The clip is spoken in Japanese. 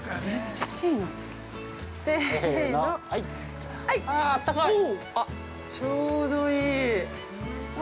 ◆ちょうどいい。